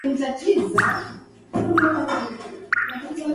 Mifugo mingine inayoathirika na ugonjwa wa kutupa mimba ni kondoo na mbuzi